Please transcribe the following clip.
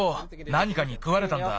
なにかにくわれたんだ。